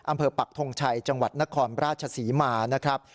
อำเภอปักธงชัยจังหวัดนครราชศรีหมานะครับ